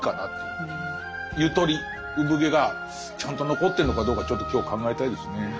ゆとり生ぶ毛がちゃんと残ってるのかどうかちょっと今日考えたいですね。